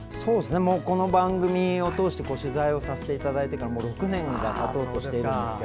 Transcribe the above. この番組を通して取材をさせていただいてもう６年がたとうとしているんです。